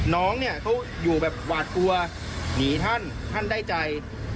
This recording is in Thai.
น้องเขาอยู่แบบหวาดตัวหนีท่านใจเฉพาะวันนี้ผมมาช่วยเขา